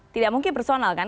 tidak mungkin personal kan